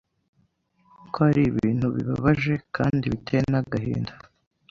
ko ari ibintu bibabaje kandi biteye n’agahinda,